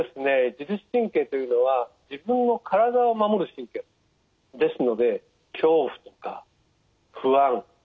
自律神経というのは自分の体を守る神経ですので恐怖とか不安そして危険